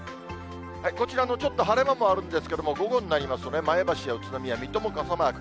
こちらのちょっと晴れ間もあるんですけれども、午後になりますとね、前橋や宇都宮、水戸も傘マーク。